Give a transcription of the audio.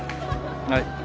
はい。